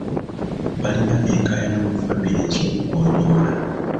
Balina enkaayana mu famire ez'okugonjoola.